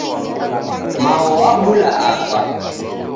Mao wabula apa